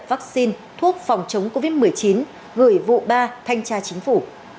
vắc xin thuốc phòng chống covid một mươi chín gửi vụ ba thanh tra chính phủ